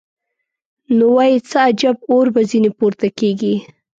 نو وای څه عجب اور به ځینې پورته کېږي.